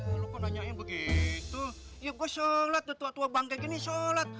ya lu kan nanya begitu ya gua sholat tua tua bangga gini sholat